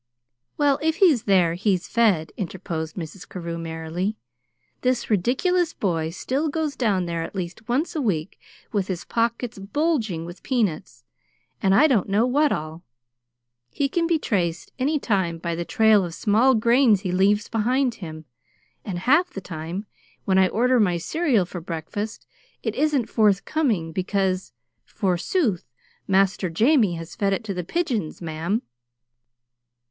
"Well, if he's there, he's fed," interposed Mrs. Carew, merrily. "This ridiculous boy still goes down there at least once a week with his pockets bulging with peanuts and I don't know what all. He can be traced any time by the trail of small grains he leaves behind him; and half the time, when I order my cereal for breakfast it isn't forthcoming, because, forsooth, 'Master Jamie has fed it to the pigeons, ma'am!'"